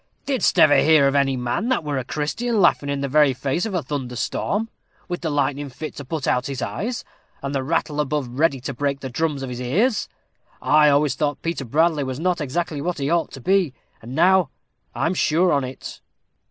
"Didst ever hear of any man that were a Christian laughing in the very face o' a thunder storm, with the lightnin' fit to put out his eyes, and the rattle above ready to break the drums o' his ears? I always thought Peter Bradley was not exactly what he ought to be, and now I am sure on it."